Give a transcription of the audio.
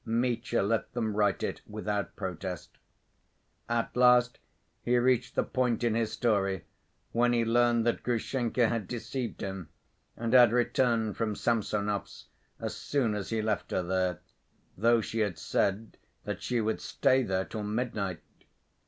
Mitya let them write it without protest. At last he reached the point in his story when he learned that Grushenka had deceived him and had returned from Samsonov's as soon as he left her there, though she had said that she would stay there till midnight.